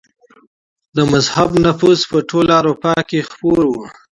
د مذهب نفوذ په ټوله اروپا کي خپور و.